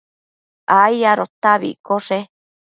ai adota abi iccoshe